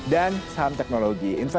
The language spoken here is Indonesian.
dan saham teknologi